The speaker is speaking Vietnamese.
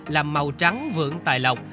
là màu trắng vượng tài lọc